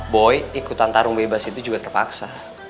boy ikutan tarung bebas itu juga terpaksa